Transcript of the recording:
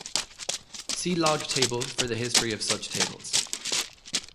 See log table for the history of such tables.